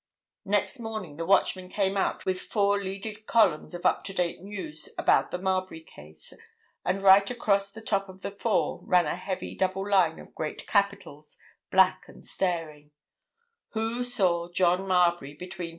Next morning the Watchman came out with four leaded columns of up to date news about the Marbury Case, and right across the top of the four ran a heavy double line of great capitals, black and staring:—WHO SAW JOHN MARBURY BETWEEN 3.